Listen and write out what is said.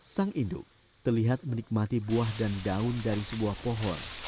sang induk terlihat menikmati buah dan daun dari sebuah pohon